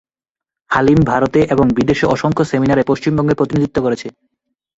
হালিম ভারতে এবং বিদেশে অসংখ্য সেমিনারে পশ্চিমবঙ্গের প্রতিনিধিত্ব করেছেন।